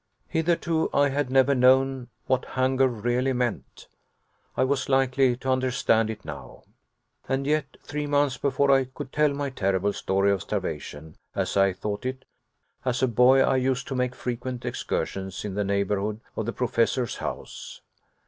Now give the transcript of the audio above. Hitherto I had never known what hunger really meant. I was likely to understand it now. And yet, three months before I could tell my terrible story of starvation, as I thought it. As a boy I used to make frequent excursions in the neighborhood of the Professor's house.